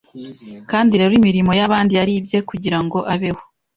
Kandi rero imirimo yabandi yaribye Kugira ngo abeho